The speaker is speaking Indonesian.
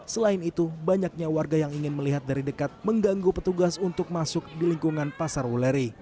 selain itu banyaknya warga yang ingin melihat dari dekat mengganggu petugas untuk masuk di lingkungan pasar wuleri